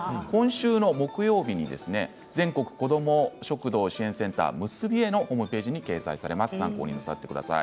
今週の木曜日から全国こども食堂支援センターむすびえのホームページで公開されます。